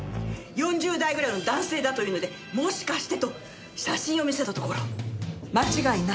４０代ぐらいの男性だと言うのでもしかしてと写真を見せたところ間違いないと。